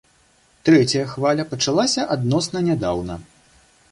Трэцяя хваля пачалася адносна нядаўна.